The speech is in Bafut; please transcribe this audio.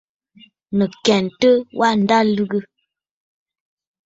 Nɨ̀ kɛntə, wâ ǹda lɨgə.